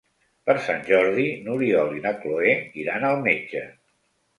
Per Sant Jordi n'Oriol i na Cloè iran al metge.